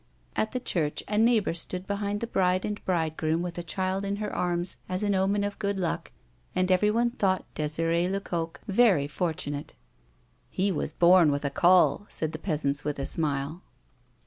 At the church a neighbovir stood behind the bride and bridegroom with the child in her arms as an omen of good luck, and everyone thought Desire Lecoq very fortunate. " He was born with a caul," said the peasants with a smile.